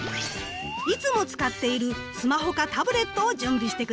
いつも使っているスマホかタブレットを準備して下さいね。